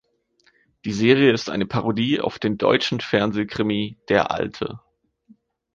Die Serie ist eine Parodie auf den deutschen Fernsehkrimi "Der Alte".